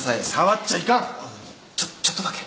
ちょちょっとだけ。